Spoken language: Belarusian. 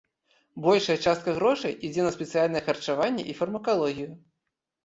Большая частка грошай ідзе на спецыяльнае харчаванне і фармакалогію.